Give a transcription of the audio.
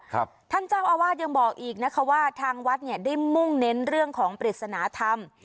ท่านเจ้าอาวาสยังบอกอีกนะคะว่าทางวัดเนี่ยได้มุ่งเน้นเรื่องของปริศนาธรรม